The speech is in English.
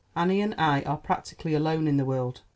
Annie and I are practically alone in the world.